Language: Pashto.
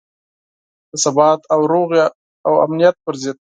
د ثبات او سولې او امنیت پر ضد.